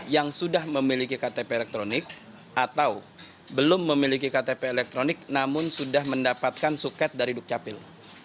yang sudah memiliki ktp elektronik atau belum memiliki ktp elektronik namun sudah mendapatkan suket dari dukcapil